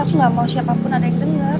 aku gak mau siapapun ada yang denger